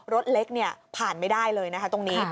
รถเล็กผ่านไม่ได้เลยนะคะตรงนี้